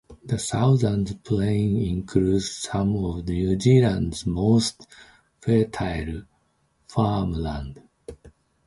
The Southland Plains include some of New Zealand's most fertile farmland.